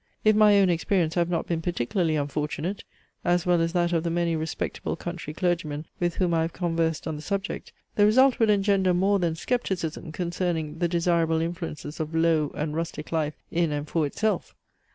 If my own experience have not been particularly unfortunate, as well as that of the many respectable country clergymen with whom I have conversed on the subject, the result would engender more than scepticism concerning the desirable influences of low and rustic life in and for itself.